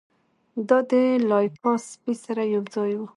دا د لایکا سپي سره یوځای و.